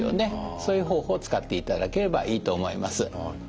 そういう方法を使っていただければいいと思います。